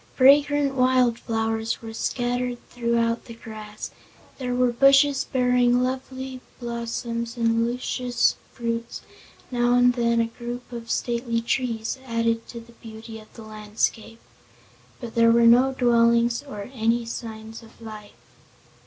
Fragrant wild flowers were scattered throughout the grass; there were bushes bearing lovely blossoms and luscious fruits; now and then a group of stately trees added to the beauty of the landscape. But there were no dwellings or signs of life.